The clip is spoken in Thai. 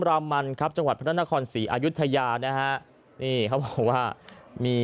รามันครับจังหวัดพระนครศรีอายุทยานะฮะนี่เขาบอกว่ามี